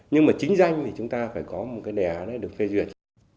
nhưng mà chính danh thì chúng ta phải có một đề án được phê duyệt